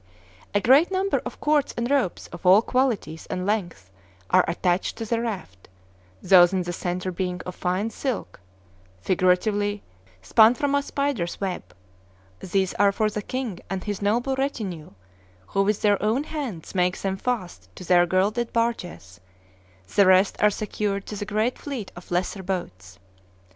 A great number of cords and ropes of all qualities and lengths are attached to the raft, those in the centre being of fine silk (figuratively, "spun from a spider's web"). These are for the king and his noble retinue, who with their own hands make them fast to their gilded barges; the rest are secured to the great fleet of lesser boats.